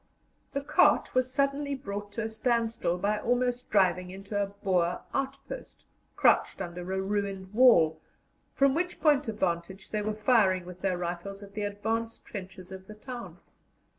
The cart was suddenly brought to a standstill by almost driving into a Boer outpost, crouched under a ruined wall, from which point of vantage they were firing with their rifles at the advance trenches of the town.